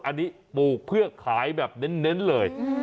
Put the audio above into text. อันนี้ปลูกเพื่อขายแบบเน้นเลย